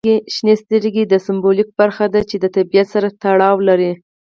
شنې سترګې د سمبولیکه برخه ده چې د طبیعت سره تړاو لري.